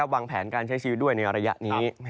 วางแผนการใช้ชีวิตด้วยในระยะนี้